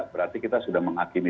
berarti kita sudah mengakimi jauh